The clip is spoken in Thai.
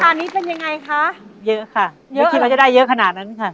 ตอนนี้เป็นยังไงคะเยอะค่ะเยอะคิดว่าจะได้เยอะขนาดนั้นค่ะ